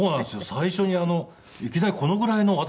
最初にいきなりこのぐらいのを渡されて。